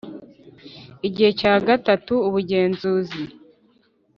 Igice cya gatatu ubugenzuzi